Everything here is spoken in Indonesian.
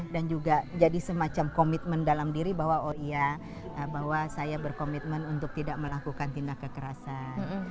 dan juga jadi semacam komitmen dalam diri bahwa oh iya bahwa saya berkomitmen untuk tidak melakukan tindak kekerasan